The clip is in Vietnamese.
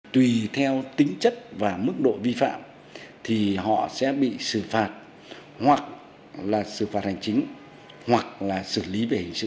tùy theo tính chất và mức độ vi phạm thì họ sẽ bị xử phạt hoặc là xử phạt hành chính hoặc là xử lý về hình sự